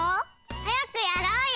はやくやろうよ！